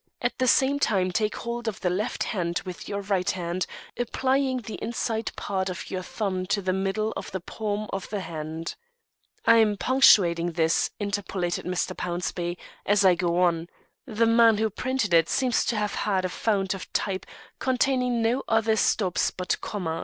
At the same time take hold of the left hand with your right hand, applying the inside part of your thumb to the middle of the palm of the hand.' I'm punctuating this," interpolated Mr. Pownceby, "as I go on. The man who printed it seems to have had a fount of type containing no other stops but commas.